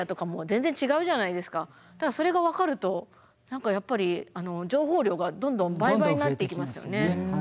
だからそれが分かると何かやっぱり情報量がどんどん倍々になっていきますよね。